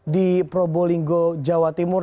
di probolinggo jawa timur